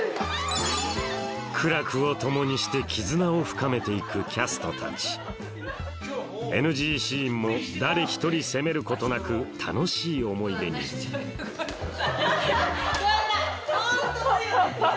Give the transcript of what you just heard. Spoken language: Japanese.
苦楽を共にして絆を深めていくキャストたちＮＧシーンも誰一人責めることなく楽しい思い出にごめんなさい！